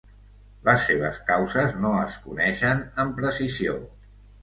Les seves causes no es coneixen amb precisió.